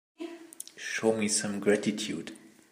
Show me some gratitude.